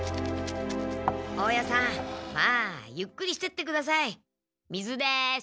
大家さんまあゆっくりしてってください。水です。